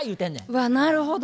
うわなるほど。